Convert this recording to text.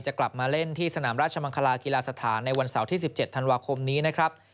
กลับมาเล่นที่สนามราชมังคลากีฬาสถานในวันเสาร์ที่๑๗ธันวาคมนี้นะครับ